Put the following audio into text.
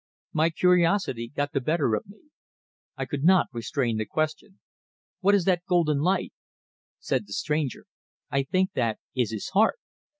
My curiosity got the better of me; I could not restrain the question, "What is that golden light?" Said the stranger: "I think that is his heart."